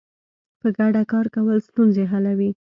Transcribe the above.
په ګډه کار کول ستونزې حلوي.